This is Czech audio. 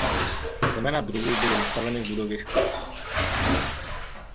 Semena druhů byly vystaveny v budově školy.